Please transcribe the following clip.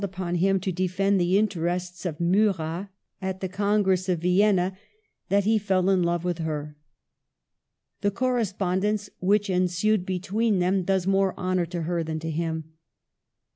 • upon him to defend the interests of Murat at the Congress of Vienna, that he fell in love with her. The correspondence which ensued between them does more honor to her than to him.